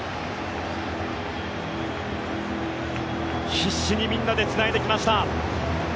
必死にみんなでつないできました。